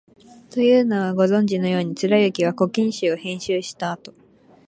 というのは、ご存じのように、貫之は「古今集」を編集したあと、